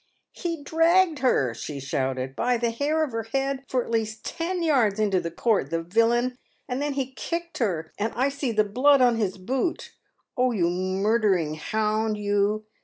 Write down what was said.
"He dragged her," she shouted, "by the hair of her head for at least ten yards into the court — the villun ! and then he kicked her, and I see the blood on his boot ! Oh, you murdering hound, you